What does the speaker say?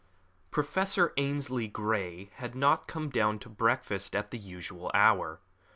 Professor Ainslie Grey had not come down to breakfast at the usual hour.